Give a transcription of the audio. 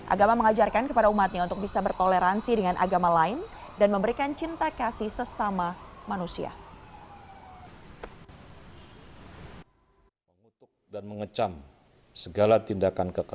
agama mengajarkan kepada umatnya untuk bisa bertoleransi dengan agama lain dan memberikan cinta kasih sesama manusia